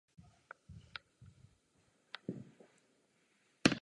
Od té doby byla tvrz s pivovarem až na výjimky trvale v majetku města.